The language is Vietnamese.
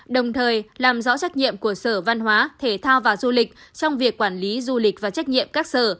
đồng thời làm rõ trách nhiệm của sở văn hóa thể thao và du lịch trong việc quản lý du lịch và trách nhiệm các sở